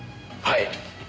はい。